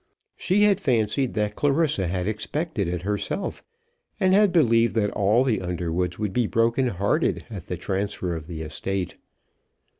She had fancied that Clarissa had expected it herself, and had believed that all the Underwoods would be broken hearted at this transfer of the estate.